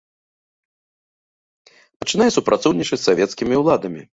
Пачынае супрацоўнічаць з савецкімі ўладамі.